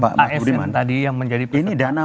dari asn tadi yang menjadi peserta